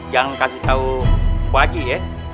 jangan kasih tau pak haji ya